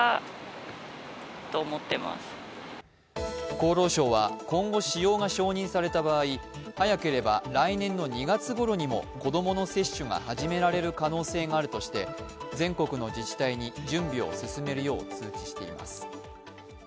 厚労省は今後使用が承認された場合早ければ来年の２月ごろにも子供の接種が始められる可能性があるとして全国の自治体に準備を進めるよう通知しています。